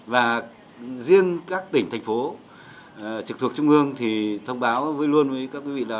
và riêng các tỉnh thành phố trực thuộc trung ương thì thông báo luôn với các quý vị là